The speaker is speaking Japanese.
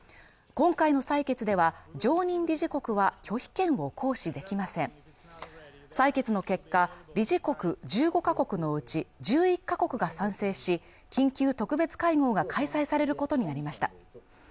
今回の採決では常任理事国は拒否権を行使できません採決の結果理事国１５カ国のうち１１カ国が賛成し緊急特別会合が開催されることになりました